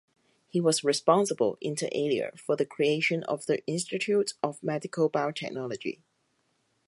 He was responsible inter alia for the creation of the Institute of Medical Biotechnology.